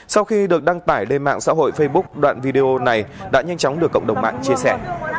sau khi được đăng tải lên mạng xã hội facebook đoạn video này đã nhanh chóng được cộng đồng mạng chia sẻ